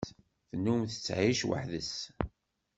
Tennum tettεic weḥd-s.